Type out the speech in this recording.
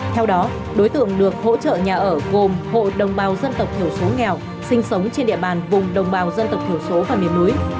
theo đó đối tượng được hỗ trợ nhà ở gồm hộ đồng bào dân tộc thiểu số nghèo sinh sống trên địa bàn vùng đồng bào dân tộc thiểu số và miền núi